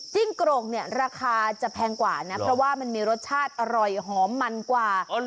โกรกเนี่ยราคาจะแพงกว่านะเพราะว่ามันมีรสชาติอร่อยหอมมันกว่า